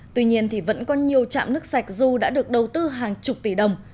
tuy nhiên thì vẫn có nhiều trạm nước sạch dù đã được đầu tư hàng chục tỷ đồng